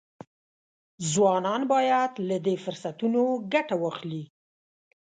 ځوانان باید له دې فرصتونو ګټه واخلي.